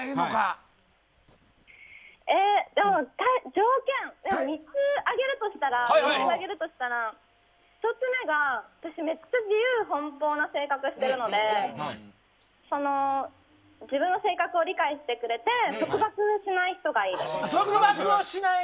条件、３つ挙げるとしたら１つ目が私、めっちゃ自由奔放な性格してるので自分の性格を理解してくれて束縛をしない人がいい。